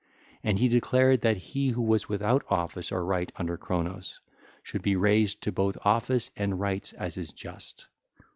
And he declared that he who was without office and rights under Cronos, should be raised to both office and rights as is just.